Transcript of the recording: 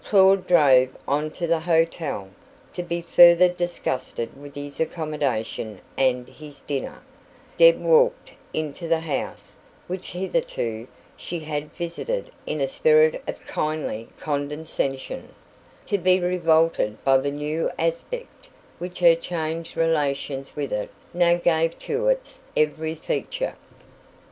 Claud drove on to the hotel, to be further disgusted with his accommodation and his dinner; Deb walked into the house which hitherto she had visited in a spirit of kindly condescension, to be revolted by the new aspect which her changed relations with it now gave to its every feature.